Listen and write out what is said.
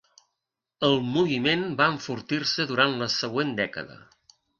El moviment va enfortir-se durant la següent dècada.